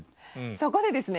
そこでですね